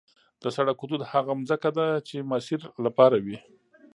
د سړک حدود هغه ځمکه ده چې د مسیر لپاره وي